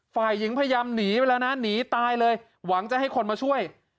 ฝ่ายหญิงพยายามหนีไปแล้วนะหนีตายเลยหวังจะให้คนมาช่วย